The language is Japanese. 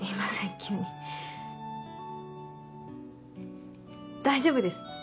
急に大丈夫です